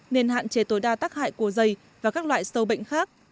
nên hạn chế tối đa tắc hại của dày và các loại sâu bệnh khác